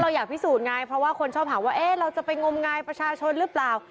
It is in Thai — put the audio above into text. อยากพิสูจน์ไงเพราะว่าคนชอบหาว่าเอ๊ะเราจะไปงมงายประชาชนหรือเปล่า